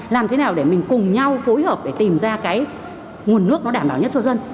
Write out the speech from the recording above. làm thế nào để mình cùng nhau phối hợp để tìm ra cái nguồn nước nó đảm bảo nhất cho dân